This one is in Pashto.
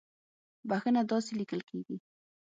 بخښنه داسې ليکل کېږي